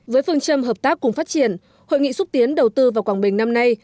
với phương châm hợp tác cùng phát triển hội nghị xúc tiến đầu tư vào quảng bình năm nay